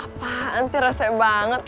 apaan sih rasanya banget